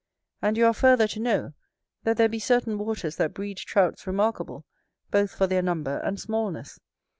And you are further to know, that there be certain waters that breed Trouts remarkable, both for their number and smallness.